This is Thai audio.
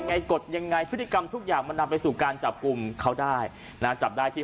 กฎยังไงพฤติกรรมทุกอย่างมันนำไปสู่การจับกลุ่มเขาได้นะจับได้ที่